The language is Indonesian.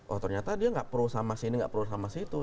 oh ternyata dia nggak pro sama sini nggak pro sama situ